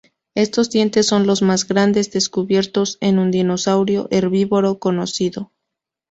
Estos dientes son los más grandes descubiertos en un dinosaurio herbívoro conocido.